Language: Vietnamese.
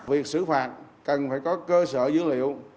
việc xử phạt cần phải có cơ sở dữ liệu